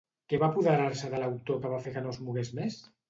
Què va apoderar-se de l'autor que va fer que no es mogués més?